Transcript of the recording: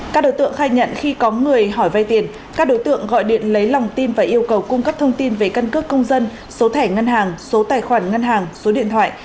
các đối tượng khai nhận khi có người hỏi vay tiền các đối tượng gọi điện lấy lòng tin và yêu cầu cung cấp thông tin về căn cước công dân số thẻ ngân hàng số tài khoản ngân hàng số điện thoại